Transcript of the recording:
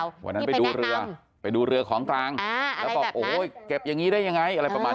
วันนั้นไปดูเรือของกลางแล้วบอกเก็บอย่างนี้ได้ยังไง